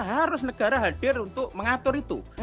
harus negara hadir untuk mengatur itu